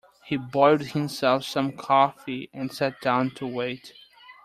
He boiled himself some coffee and sat down to wait.